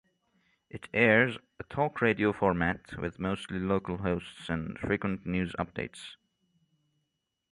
It airs a talk radio format, with mostly local hosts and frequent news updates.